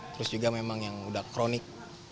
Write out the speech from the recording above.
terus juga memang yang udah kronik